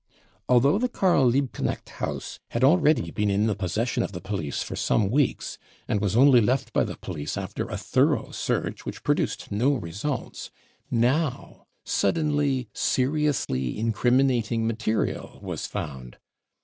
Although the Karl Liebknecht House had already been in the possession of the police for some weeks, and was only left by the police after a thorough search which produced no results, now suddenly u seriously incriminating 55 material was found.